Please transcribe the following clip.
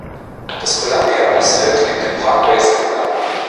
Das Columbia-Eisfeld gibt dem Parkway seinen Namen.